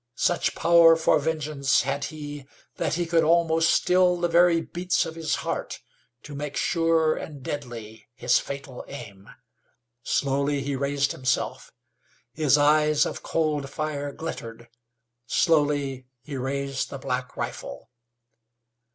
Such power for vengeance had he that he could almost still the very beats of his heart to make sure and deadly his fatal aim. Slowly he raised himself; his eyes of cold fire glittered; slowly he raised the black rifle.